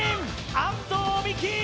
安藤美姫！